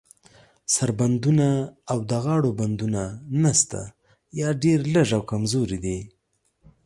سر بندونه او د غاړو بندونه نشته، یا ډیر لږ او کمزوري دي.